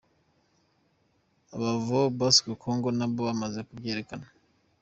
Abava Bas Congo nabo bamaze kubyerekana.